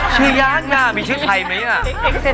ชื่อย้างน่ะมีชื่อใครมั้ยแนน